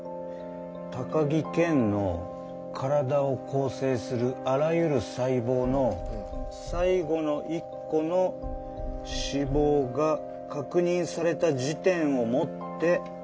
「高木健の身体を構成するあらゆる細胞の最後の一個の死亡が確認された時点をもって」。